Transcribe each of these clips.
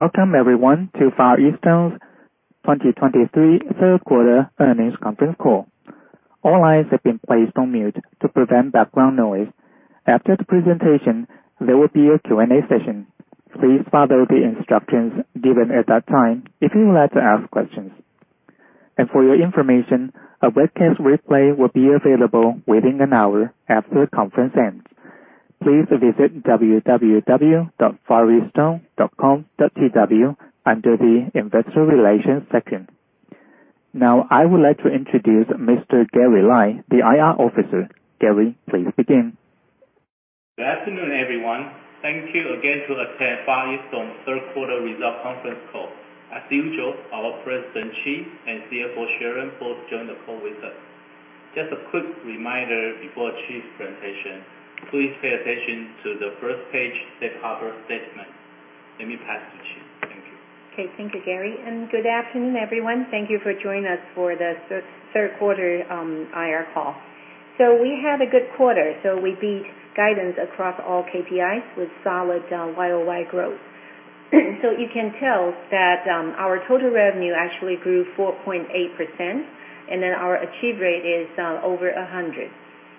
Welcome everyone to Far EasTone's 2023 third quarter earnings conference call. All lines have been placed on mute to prevent background noise. After the presentation, there will be a Q&A session. Please follow the instructions given at that time if you would like to ask questions. And for your information, a webcast replay will be available within an hour after the conference ends. Please visit www.fareastone.com.tw under the Investor Relations section. Now, I would like to introduce Mr. Gary Lai, the IR officer. Gary, please begin. Good afternoon, everyone. Thank you again to attend Far EasTone third quarter result conference call. As usual, our President, Chee, and CFO, Sharon, both join the call with us. Just a quick reminder before Chee's presentation, please pay attention to the first page safe harbor statement. Let me pass to Chee. Thank you. Okay. Thank you, Gary, and good afternoon, everyone. Thank you for joining us for the third quarter IR call. So we had a good quarter, so we beat guidance across all KPIs with solid YoY growth. So you can tell that our total revenue actually grew 4.8%, and then our achieve rate is over 100.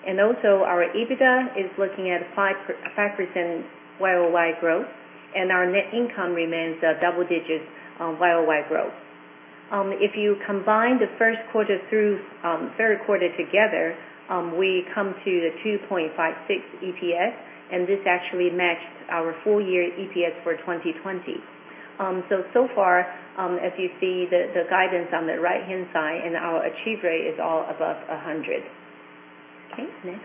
And also our EBITDA is looking at 5% YoY growth, and our net income remains a double digits YoY growth. If you combine the first quarter through third quarter together, we come to the 2.56 EPS, and this actually matched our full year EPS for 2020. So far, as you see, the guidance on the right-hand side and our achieve rate is all above 100. Okay, next.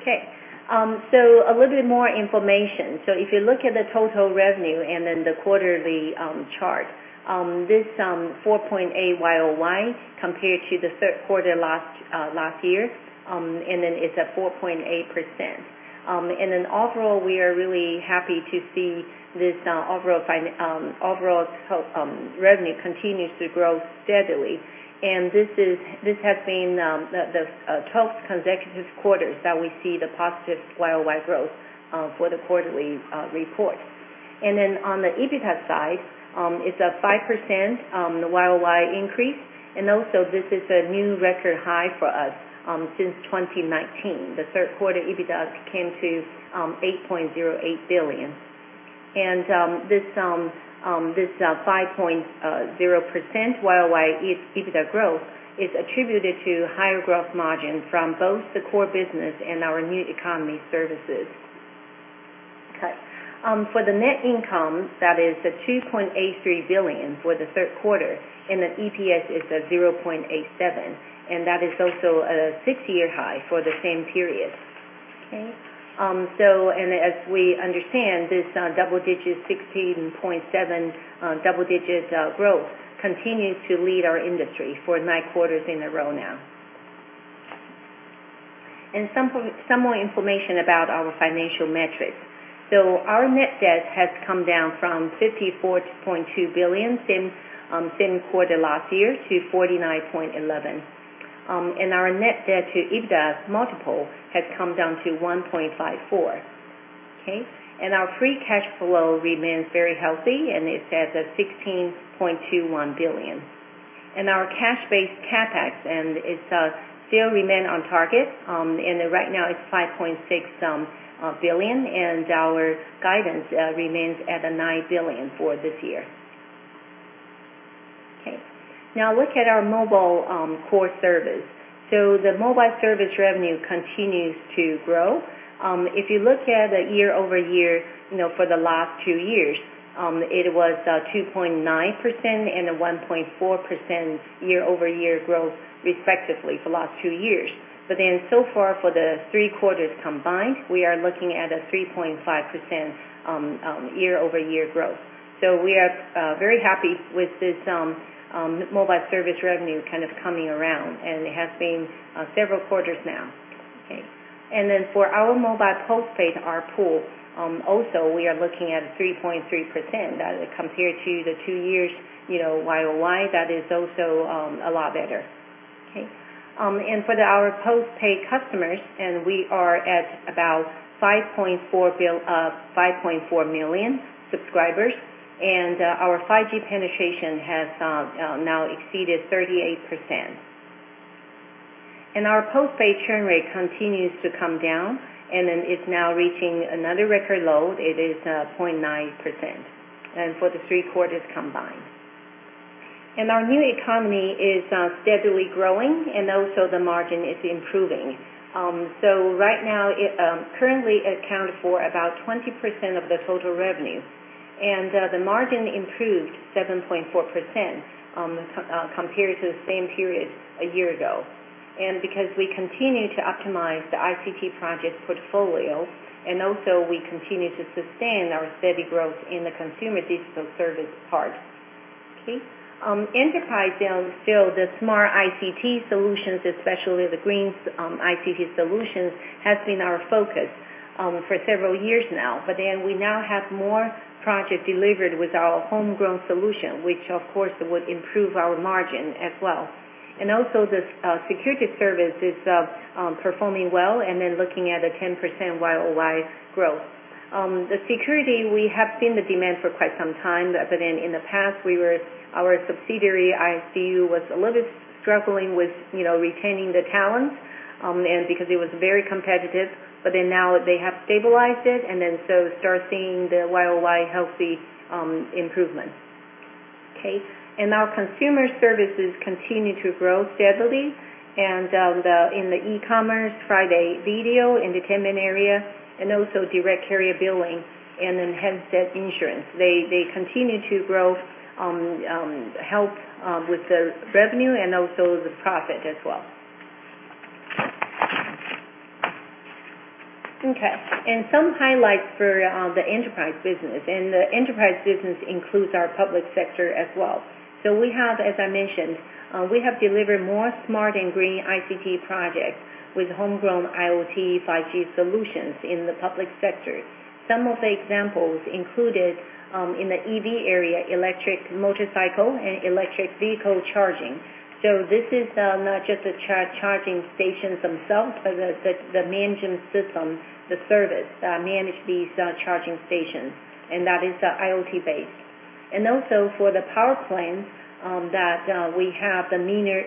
Okay, a little bit more information. If you look at the total revenue and then the quarterly chart, this 4.8 YoY compared to the third quarter last year, and then it's at 4.8%. Overall, we are really happy to see this overall total revenue continues to grow steadily. And this has been the 12th consecutive quarters that we see the positive YoY growth for the quarterly report. And then on the EBITDA side, it's a 5% YoY increase, and also this is a new record high for us since 2019. The third quarter EBITDA came to 8.08 billion. This 5.0% YoY EBITDA growth is attributed to higher gross margin from both the core business and our new economy services. Okay. For the net income, that is 2.83 billion for the third quarter, and the EPS is 0.87, and that is also a six-year high for the same period. Okay? So and as we understand, this double digits 16.7 double digits growth continues to lead our industry for nine quarters in a row now. Some more information about our financial metrics. Our net debt has come down from 54.2 billion same quarter last year to 49.11 billion. And our net debt to EBITDA multiple has come down to 1.54. Okay? Our free cash flow remains very healthy, and it's at 16.21 billion. Our cash-based CapEx still remains on target, and right now it's 5.6 billion, and our guidance remains at 9 billion for this year. Okay. Now look at our mobile core service. So the mobile service revenue continues to grow. If you look at the year-over-year, you know, for the last two years, it was 2.9% and a 1.4% year-over-year growth, respectively, for last two years. But then so far for the three quarters combined, we are looking at a 3.5% year-over-year growth. So we are very happy with this mobile service revenue kind of coming around, and it has been several quarters now. Okay. And then for our mobile postpaid, our ARPU also we are looking at 3.3% that compared to the two years, you know, YoY, that is also a lot better. Okay. And for our postpaid customers, and we are at about 5.4 million subscribers, and our 5G penetration has now exceeded 38%. And our postpaid churn rate continues to come down and then is now reaching another record low. It is 0.9%, and for the three quarters combined. And our new economy is steadily growing, and also the margin is improving. So right now, it currently account for about 20% of the total revenue, and the margin improved 7.4%, compared to the same period a year ago. And because we continue to optimize the ICT project portfolio, and also we continue to sustain our steady growth in the consumer digital service part. Okay, enterprise down, still the smart ICT solutions, especially the green ICT solutions, has been our focus for several years now. But then we now have more project delivered with our homegrown solution, which of course, would improve our margin as well. And also the security service is performing well, and then looking at a 10% YoY growth. The security, we have seen the demand for quite some time, but then in the past, we were, our subsidiary, ICU, was a little bit struggling with, you know, retaining the talents, and because it was very competitive. But then now they have stabilized it, and then so start seeing the YoY healthy improvement. Okay. Our consumer services continue to grow steadily, and in the e-commerce, friDay Video, entertainment area, and also direct carrier billing, and then handset insurance. They continue to grow, help with the revenue and also the profit as well. Okay, some highlights for the enterprise business, and the enterprise business includes our public sector as well. So we have, as I mentioned, we have delivered more smart and green ICT projects with homegrown IoT 5G solutions in the public sector. Some of the examples included in the EV area, electric motorcycle and electric vehicle charging. So this is not just the charging stations themselves, but the, the, the management system, the service that manage these charging stations, and that is the IoT-based. And also for the power plant, that we have the meter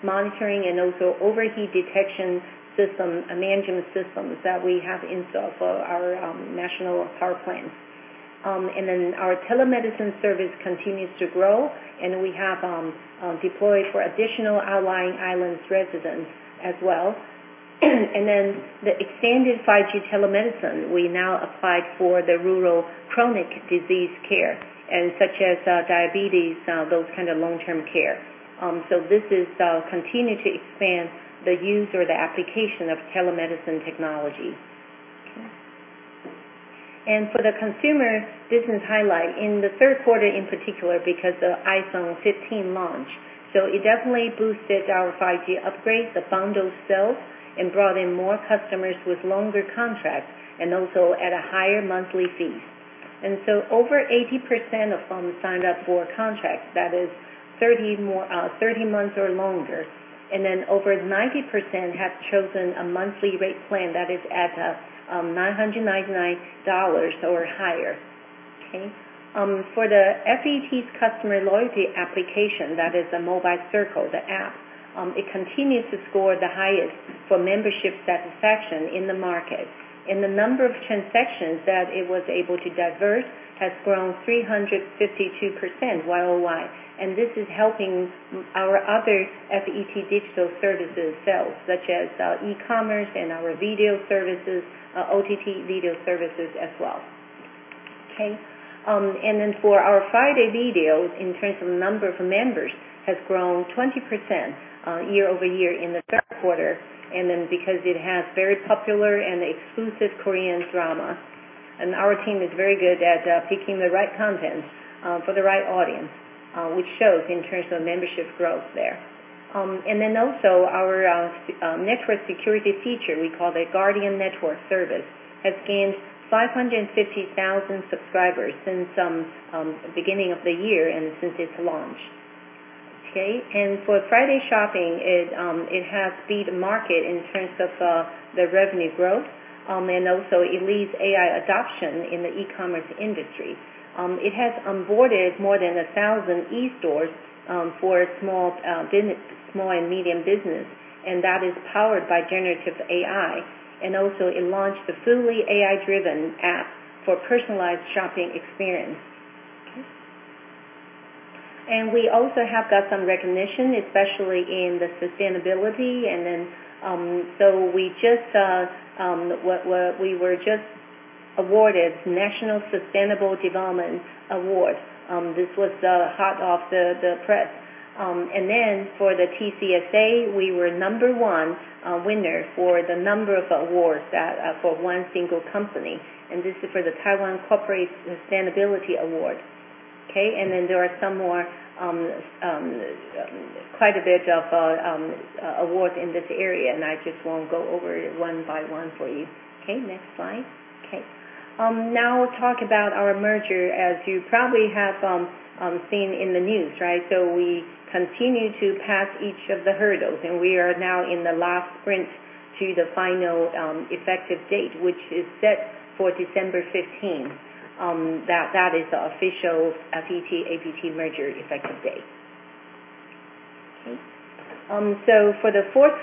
monitoring and also overheat detection system, management systems that we have installed for our national power plant. And then our telemedicine service continues to grow, and we have deployed for additional outlying islands residents as well. And then the extended 5G telemedicine, we now applied for the rural chronic disease care, and such as diabetes, those kind of long-term care. So this is continuing to expand the use or the application of telemedicine technology. Okay. And for the consumer business highlight, in the third quarter, in particular, because of iPhone 15 launch, so it definitely boosted our 5G upgrade, the bundle sales, and brought in more customers with longer contracts and also at a higher monthly fee. And so over 80% of them signed up for contracts, that is 30 months or longer. And then over 90% have chosen a monthly rate plan that is at 999 dollars or higher. Okay? For the FET's customer loyalty application, that is the Mobile Circle, the app, it continues to score the highest for membership satisfaction in the market. And the number of transactions that it was able to divert has grown 352% YoY, and this is helping our other FET digital services sales, such as e-commerce and our video services, OTT video services as well. Okay. And then for our friDay Video, in terms of number of members, has grown 20% year-over-year in the third quarter. And then because it has very popular and exclusive Korean drama, and our team is very good at picking the right content for the right audience, which shows in terms of membership growth there. And then also our network security feature, we call the Guardian Network Service, has gained 550,000 subscribers since beginning of the year and since its launch. Okay, and for friDay Shopping, it has beat the market in terms of the revenue growth, and also it leads AI adoption in the e-commerce industry. It has onboarded more than 1,000 e-stores for small business, small and medium business, and that is powered by generative AI. And also it launched the fully AI-driven app for personalized shopping experience. Okay. And we also have got some recognition, especially in the sustainability. And then, so we just, we were just awarded National Sustainable Development Award. This was hot off the press. And then for the TCSA, we were number one winner for the number of awards for one single company, and this is for the Taiwan Corporate Sustainability Award. Okay, and then there are some more, quite a bit of award in this area, and I just won't go over it one by one for you. Okay, next slide. Okay. Now talk about our merger, as you probably have seen in the news, right? So we continue to pass each of the hurdles, and we are now in the last sprint to the final effective date, which is set for December fifteenth. That, that is the official FET-APT merger effective date. Okay. So for the fourth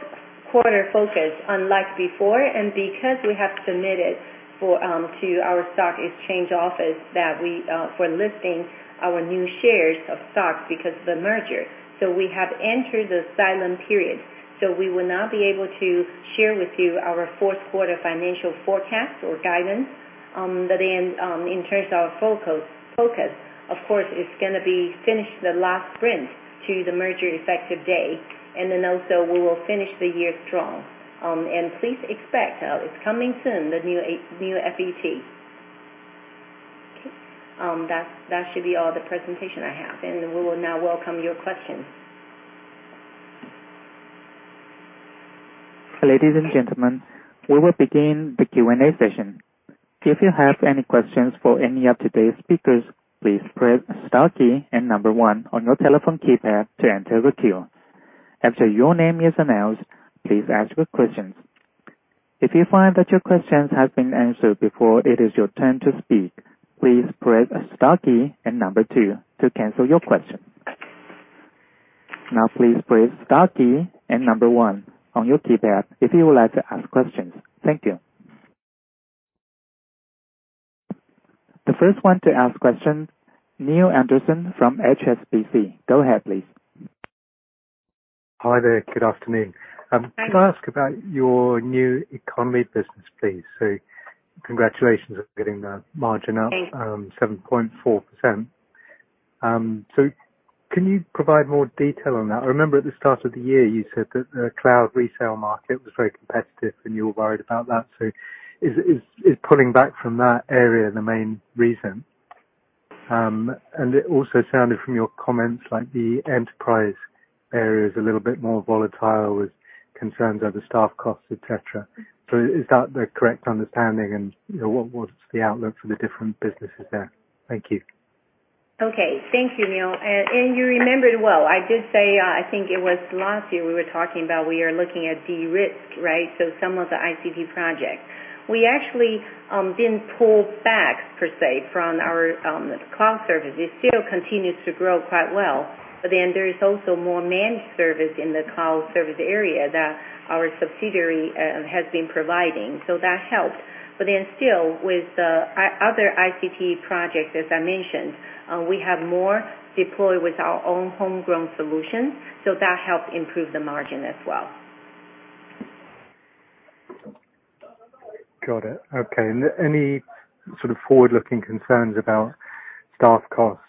quarter focus, unlike before, and because we have submitted for to our stock exchange office that we for listing our new shares of stocks because of the merger. So we have entered the silent period, so we will not be able to share with you our fourth quarter financial forecast or guidance. But then, in terms of focus, of course, it's going to be finish the last sprint to the merger effective date, and then also we will finish the year strong. And please expect, it's coming soon, the new FET. Okay, that should be all the presentation I have, and we will now welcome your questions. Ladies and gentlemen, we will begin the Q&A session. If you have any questions for any of today's speakers, please press star key and number one on your telephone keypad to enter the queue. After your name is announced, please ask your questions. If you find that your questions have been answered before it is your turn to speak, please press star key and number two to cancel your question. Now, please press star key and number one on your keypad if you would like to ask questions. Thank you. The first one to ask question, Neale Anderson from HSBC. Go ahead, please. Hi there. Good afternoon. Hi. Can I ask about your new economy business, please? So congratulations on getting the margin up, 7.4%. So can you provide more detail on that? I remember at the start of the year, you said that the cloud resale market was very competitive, and you were worried about that. So is pulling back from that area the main reason? And it also sounded from your comments, like the enterprise area is a little bit more volatile with concerns over staff costs, et cetera. So is that the correct understanding, and, you know, what, what's the outlook for the different businesses there? Thank you. Okay. Thank you, Neale. And you remembered well. I did say, I think it was last year, we were talking about we are looking at de-risk, right? So some of the ICT projects. We actually didn't pull back per se, from our cloud service. It still continues to grow quite well, but then there is also more managed service in the cloud service area that our subsidiary has been providing, so that helped. But then still, with the other ICT projects, as I mentioned, we have more deployed with our own homegrown solutions, so that helped improve the margin as well. Got it. Okay. And any sort of forward-looking concerns about staff costs,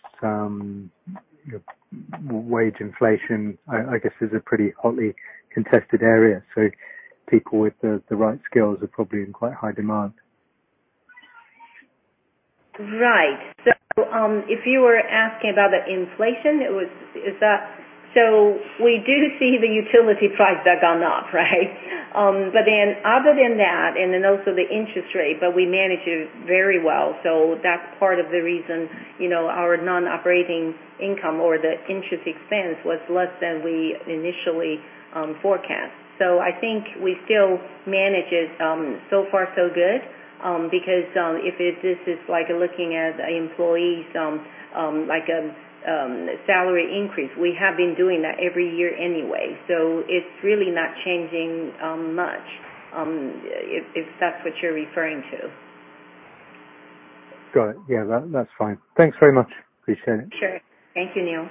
wage inflation? I guess is a pretty hotly contested area, so people with the right skills are probably in quite high demand. Right. So, if you were asking about the inflation, so we do see the utility price back gone up, right? But then other than that, and then also the interest rate, but we manage it very well. So that's part of the reason, you know, our non-operating income or the interest expense was less than we initially forecast. So I think we still manage it so far so good because if it, this is like looking at employees, like, salary increase, we have been doing that every year anyway. So it's really not changing much if, if that's what you're referring to. Got it. Yeah, that, that's fine. Thanks very much. Appreciate it. Sure. Thank you, Neale.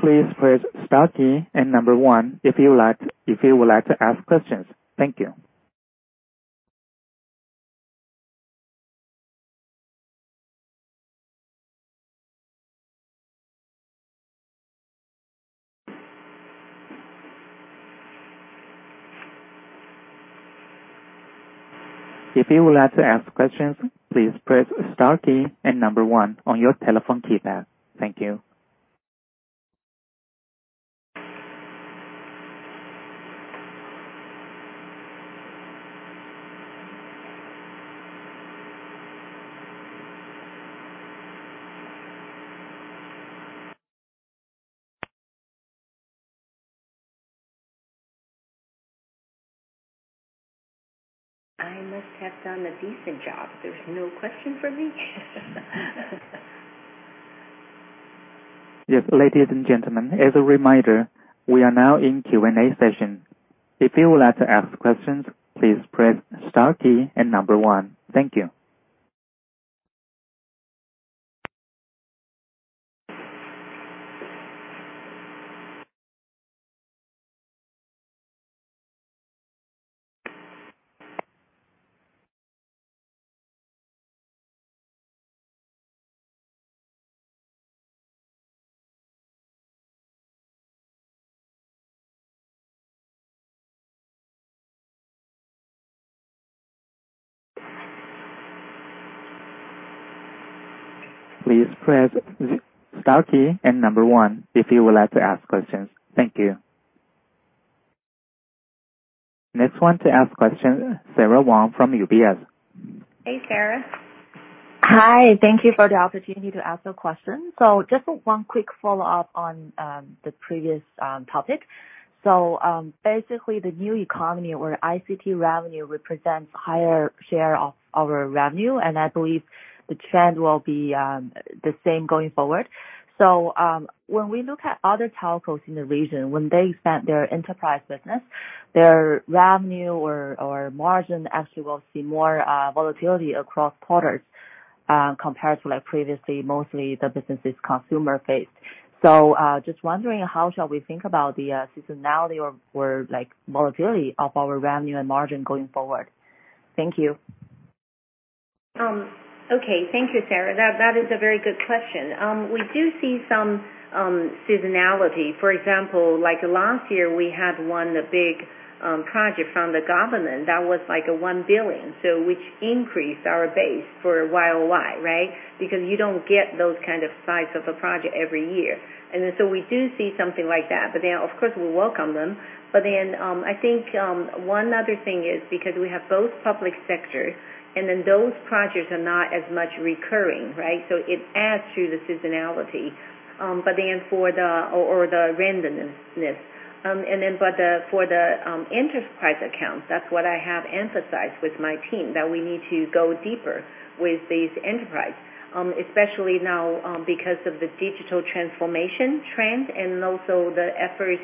Please press star key and number one if you would like, if you would like to ask questions. Thank you. If you would like to ask questions, please press star key and number one on your telephone keypad. Thank you. I must have done a decent job. There's no question for me? Yes, ladies and gentlemen, as a reminder, we are now in Q&A session. If you would like to ask questions, please press star key and number one. Thank you. Please press star key and number one if you would like to ask questions. Thank you. Next one to ask question, Sara Wang from UBS. Hey, Sara. Hi, thank you for the opportunity to ask a question. So just one quick follow-up on the previous topic. So, basically the new economy or ICT revenue represents higher share of our revenue, and I believe the trend will be the same going forward. So, when we look at other telcos in the region, when they expand their enterprise business, their revenue or margin actually will see more volatility across quarters, compared to like previously, mostly the business is consumer faced. So, just wondering, how shall we think about the seasonality or like volatility of our revenue and margin going forward? Thank you. ...Okay. Thank you, Sara. That is a very good question. We do see some seasonality. For example, like last year, we had won a big project from the government that was like 1 billion, so which increased our base for YoY, right? Because you don't get those kind of size of a project every year. We do see something like that, but then, of course, we welcome them. But then, I think, one other thing is because we have both public sector, and then those projects are not as much recurring, right? So it adds to the seasonality. But then for the, or, or the randomness. And then, for the enterprise accounts, that's what I have emphasized with my team, that we need to go deeper with these enterprise. Especially now, because of the digital transformation trend and also the efforts,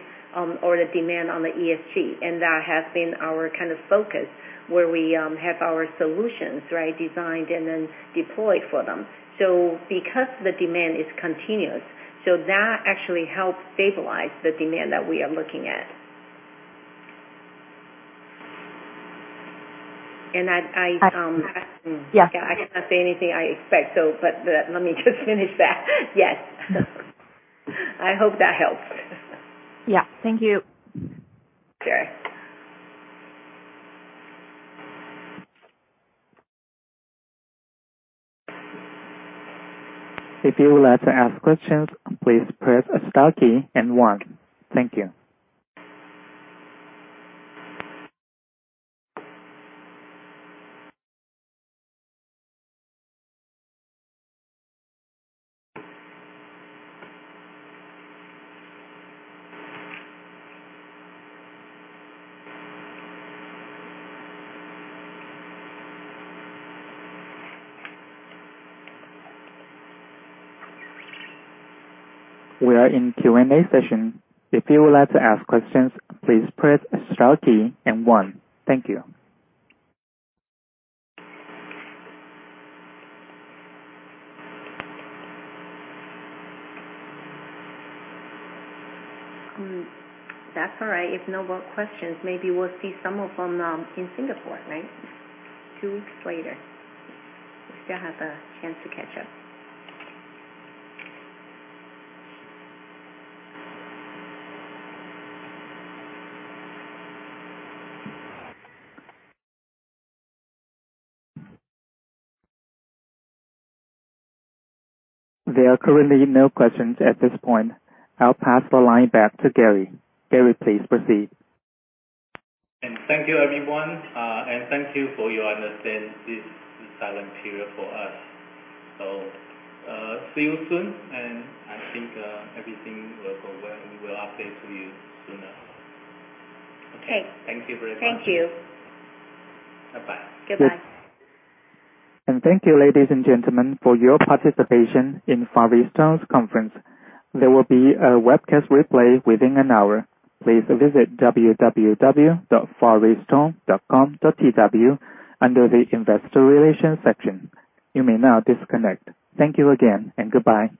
or the demand on the ESG, and that has been our kind of focus, where we have our solutions, right, designed and then deployed for them. So because the demand is continuous, so that actually helps stabilize the demand that we are looking at. And I- Yeah. I cannot say anything I expect, let me just finish that. Yes. I hope that helps. Yeah. Thank you. Sure. If you would like to ask questions, please press star key and one. Thank you. We are in Q&A session. If you would like to ask questions, please press star key and one. Thank you. Hmm. That's all right. If no more questions, maybe we'll see some of them in Singapore, right? Two weeks later. We still have a chance to catch up. There are currently no questions at this point. I'll pass the line back to Gary. Gary, please proceed. Thank you, everyone. Thank you for your understanding this silent period for us. See you soon, and I think everything will go well. We will update to you sooner. Okay. Thank you very much. Thank you. Bye-bye. Goodbye. Thank you, ladies and gentlemen, for your participation in Far EasTone's conference. There will be a webcast replay within an hour. Please visit www.fareastone.com.tw under the Investor Relations section. You may now disconnect. Thank you again, and goodbye.